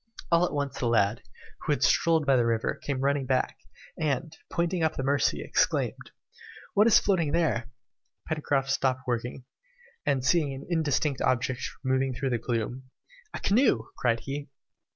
All at once, the lad, who had strolled by the river, came running back, and, pointing up the Mercy, exclaimed, "What is floating there?" Pencroft stopped working, and seeing an indistinct object moving through the gloom, "A canoe!" cried he.